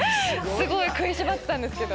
食いしばってたんですけど。